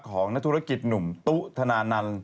ของนักธุรกิจหนุ่มตุ๊ธนานันต์